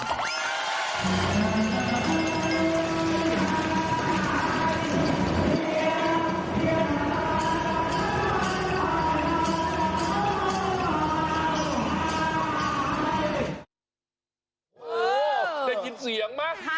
โอ้โฮเดี๋ยวคิดเสียงไหม